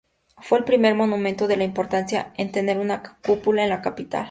Fue el primer monumento de importancia en tener una cúpula en la capital.